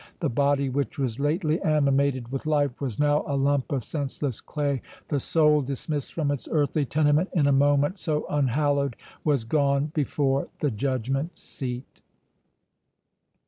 The body, which was lately animated with life, was now a lump of senseless clay—the soul, dismissed from its earthly tenement in a moment so unhallowed, was gone before the judgment seat.